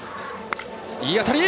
いい当たり！